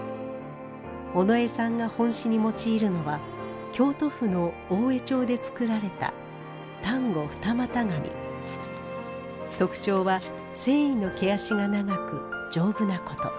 尾上さんが本紙に用いるのは京都府の大江町で作られた特徴は繊維の毛足が長く丈夫なこと。